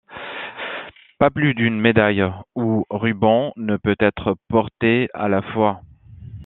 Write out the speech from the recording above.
Pas plus d'une médaille ou ruban ne peut être porté à la fois.